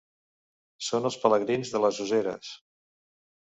Són els pelegrins de les Useres.